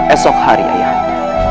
esok hari ayah anda